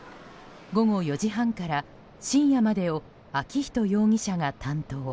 午後４時半から深夜までを昭仁容疑者が担当。